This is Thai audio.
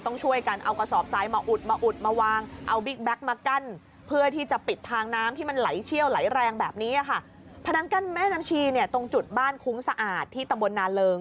ต้องช่วยกันเอากระสอบทรายมาอุดมาวาง